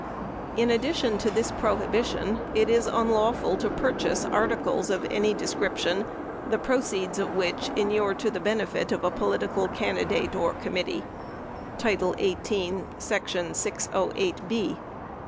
In addition to this prohibition, it is unlawful to pur chase articles of any description, the proceeds of which inure to the benefit Of a political candidate or committee (Title 18, Section 608b).